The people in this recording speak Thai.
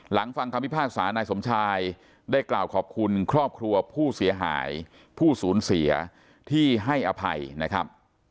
ฟังคำพิพากษานายสมชายได้กล่าวขอบคุณครอบครัวผู้เสียหายผู้สูญเสียที่ให้อภัยนะครับ